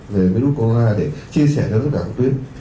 về virus corona để chia sẻ cho tất cả các tuyến